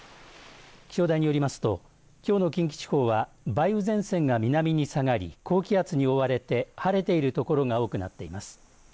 気象台によりますときょうの近畿地方は梅雨前線が南に下がり高気圧に覆われて晴れているところが多くなっています。